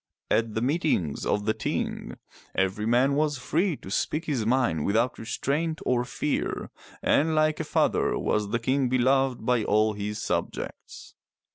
At the meetings of the Ting, every man was free to speak his mind without restraint or fear, and like a father was the King beloved by all his subjects.